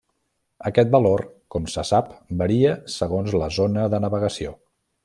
Aquest valor com se sap varia segons la zona de navegació.